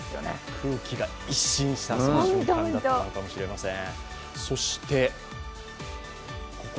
空気が一新した瞬間だったのかもしれません。